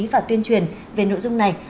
và tuyên truyền về nội dung này